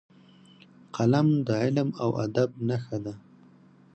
قلم د علم او ادب نښه ده